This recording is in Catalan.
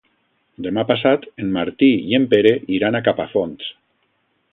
Demà passat en Martí i en Pere iran a Capafonts.